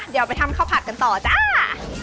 เดี๋ยวไปทำข้าวผัดกันต่อจ้า